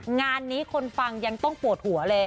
งานนี้คนฟังยังต้องปวดหัวเลย